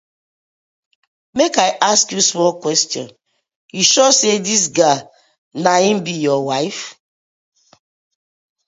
Mek I ask yu small question, yu sure say dis gal na im be yur wife?